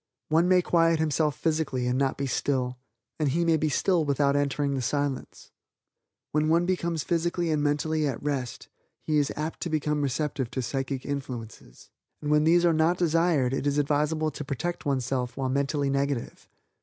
One may quiet himself physically and not be still, and he may be still without entering the Silence. When one becomes physically and mentally at rest, he is apt to become receptive to psychic influences; and when these are not desired it is advisable to protect oneself while mentally negative.